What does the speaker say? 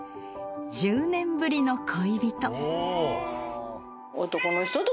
１０年ぶりの恋人。